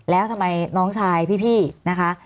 แล้วทำไมน้องชายพี่นะคะ